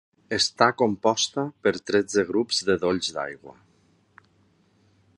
Està composta per tretze grups de dolls d'aigua.